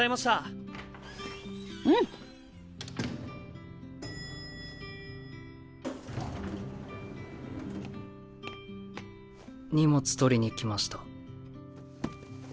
チーン荷物取りに来ました。